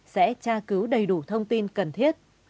sẽ tra cứu đầy đủ thông tin cần thiết